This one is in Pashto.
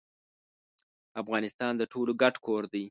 افغانستان د ټولو ګډ کور دي.